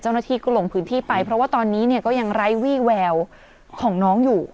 เจ้าหน้าที่ก็ลงพื้นที่ไปเพราะว่าตอนนี้เนี่ยก็ยังไร้วี่แววของน้องอยู่